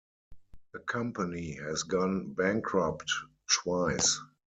The company has gone bankrupt twice.